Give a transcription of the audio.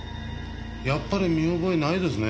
やっぱり見覚えないですね。